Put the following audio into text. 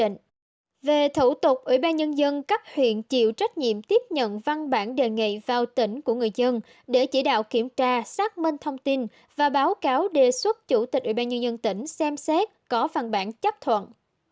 chủ tịch ubnd cấp huyện chịu trách nhiệm tiếp nhận văn bản đề nghị vào tỉnh của người dân để chỉ đạo kiểm tra xác minh thông tin và báo cáo đề xuất chủ tịch ubnd tỉnh xem xét có văn bản chấp thuận